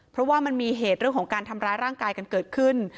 เพราะว่ามันมีเหตุเรื่องของการทำร้ายร่างกายกันเกิดขึ้น